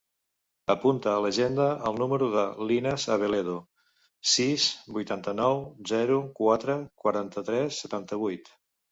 Apunta a l'agenda el número de l'Inas Abeledo: sis, vuitanta-nou, zero, quatre, quaranta-tres, setanta-vuit.